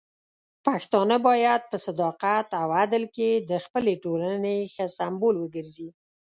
پښتانه بايد په صداقت او عدل کې د خپلې ټولنې ښه سمبول وګرځي.